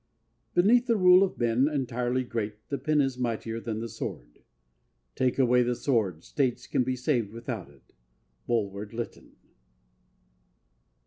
" Beneath the rule of men entirely great The pen is mightier than the sword." " Take away the sword— States can be saved without it! " —BULWER IyYTTON.